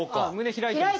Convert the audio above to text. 開いてる！